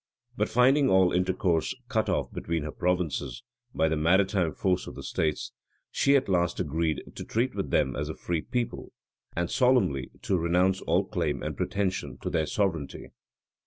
But finding all intercourse cut off between her provinces by the maritime force of the states, she at last agreed to treat with them as a free people, and solemnly to renounce all claim and pretension to their sovereignty.